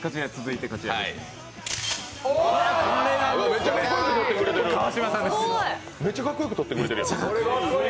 お、めちゃめちゃかっこよく撮ってくれてる！